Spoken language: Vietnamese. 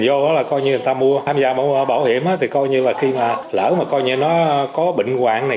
nó coi như người ta mua tham gia bảo hiểm thì coi như là khi mà lỡ mà coi như nó có bệnh hoạn này